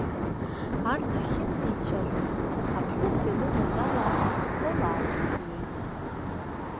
Арҭ ахьынӡеицәажәоз, аԥҳәыс илымаз ала астол аалырхиеит.